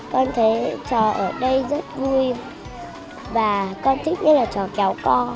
con thấy trò ở đây rất vui và con thích nhất là trò kéo co